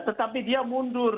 tetapi dia mundur